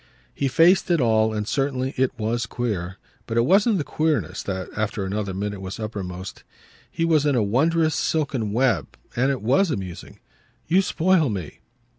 He faced it all, and certainly it was queer. But it wasn't the queerness that after another minute was uppermost. He was in a wondrous silken web, and it WAS amusing. "You spoil me!"